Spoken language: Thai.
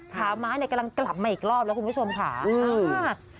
ขาม้าเนี่ยกำลังกลับมาอีกรอบแล้วคุณผู้ชมค่ะ